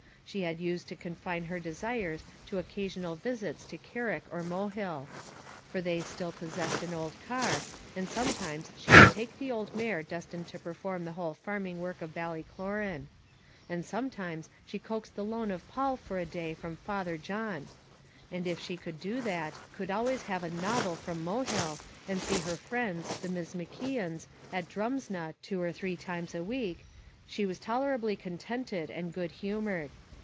She had used to confine her desires to occasional visits to Carrick or Mohill; for they still possessed an old car, and sometimes she could take the old mare destined to perform the whole farming work of Ballycloran; and sometimes she coaxed the loan of Paul for a day from Father John; and if she could do that, could always have a novel from Mohill, and see her friends the Miss McKeons at Drumsna two or three times a week, she was tolerably contented and good humoured.